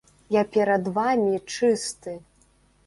Я перад вамі чысты!